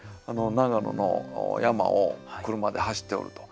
長野の山を車で走っておると。